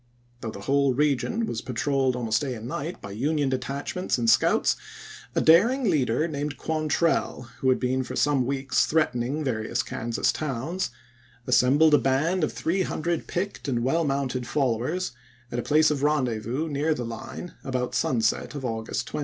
Though the whole region was patrolled almost day and night by Union detachments and scouts, a daring leader named Quantrell, who had been for some weeks threatening various Kansas towns, assembled a band of three hundred picked and well mounted followers at a place of rendezvous near the line, about sunset of August 20.